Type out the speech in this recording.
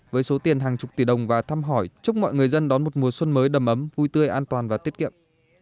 với số tiền hàng chục tỷ đồng và thăm hỏi chúc mọi người dân đón một mùa xuân mới đầm ấm vui tươi an toàn và tiết kiệm